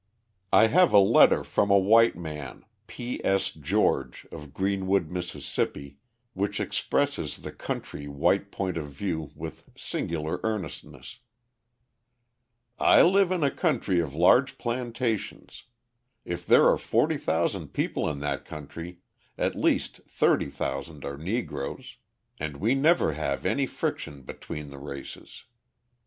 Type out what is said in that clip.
I have a letter from a white man, P. S. George, of Greenwood, Mississippi, which expresses the country white point of view with singular earnestness: I live in a country of large plantations; if there are 40,000 people in that country, at least 30,000 are Negroes, and we never have any friction between the races.